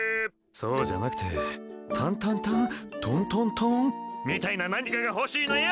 そうじゃなくてタンタンターントントントーンみたいななにかがほしいのよ！